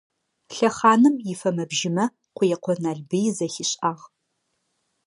Лъэхъаным ифэмэ-бжьымэ Къуекъо Налбый зэхишӏагъ.